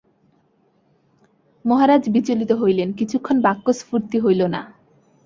মহারাজ বিচলিত হইলেন, কিছুক্ষণ বাক্যস্ফূর্তি হইল না।